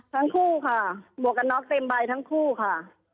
ทั้งคู่ค่ะหมวกกันน็อกเต็มใบทั้งคู่ค่ะ